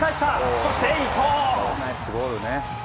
そして伊東！